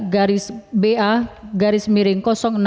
garis ba garis miring enam